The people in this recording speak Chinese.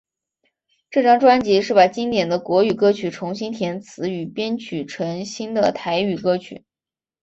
这张专辑是把经典的国语歌曲重新填词与编曲成新的台语歌曲。